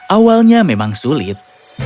awalnya memang sulit